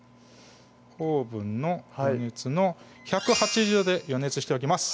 オーブンの予熱の１８０℃で予熱しておきます